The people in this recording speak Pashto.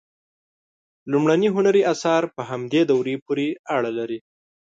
لومړني هنري آثار په همدې دورې پورې اړه لري.